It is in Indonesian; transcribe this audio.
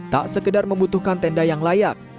tak sekedar membutuhkan tenda yang layak